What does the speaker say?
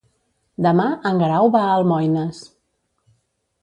Demà en Guerau va a Almoines.